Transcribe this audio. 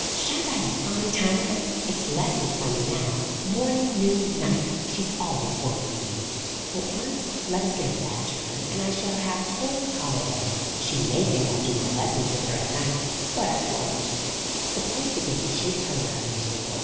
Shan't I have a fine time of it! It's lessons for me now, morning, noon, and night, she's always worrying me; but, once let us get her back turned, and I shall have whole holiday! She may think I'll do my lessons with her at night; but I won't!" The boys began to chase her round the table.